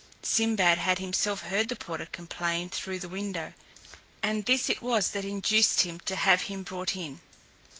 Sinbad had himself heard the porter complain through the window, and this it was that induced him to have him brought in.